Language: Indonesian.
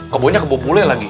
kebunya kebobole lagi